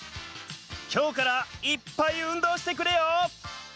きょうからいっぱい運動してくれよ！